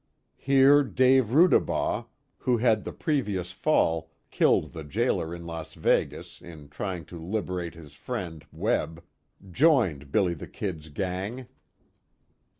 Here Dave Rudabaugh, who had the previous fall killed the jailer in Las Vegas in trying to liberate his friend, Webb, joined "Billy the Kid's" gang.